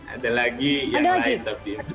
ada lagi yang lain tapi